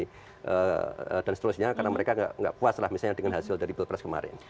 jadi dan seterusnya karena mereka nggak puas lah misalnya dengan hasil dari belpres kemarin